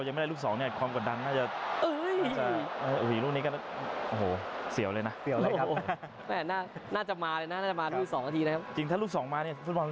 วางบรรยาวทิ้งขึ้นมาครับ